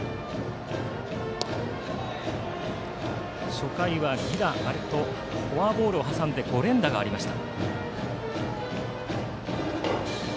初回は、犠打とフォアボールを挟んで５連打がありました。